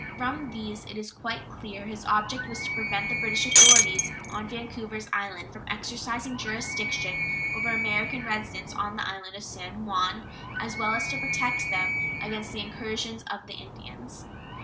From these it is quite clear his object was to prevent the British authorities on Vancouvers Island from exercising jurisdiction over American residents on the island of San Juan, as well as to protect them against the incursions of the Indians.